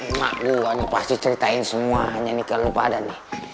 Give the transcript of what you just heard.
emak gue pasti ceritain semuanya nih kalau lo pada nih